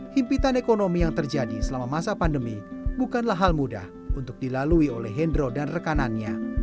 himpitan ekonomi yang terjadi selama masa pandemi bukanlah hal mudah untuk dilalui oleh hendro dan rekanannya